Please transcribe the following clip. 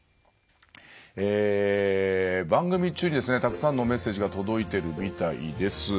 え番組中にですねたくさんのメッセージが届いてるみたいです。